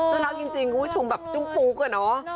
น่ารักจริงชมแบบจุ้มปุ๊กกันเนอะ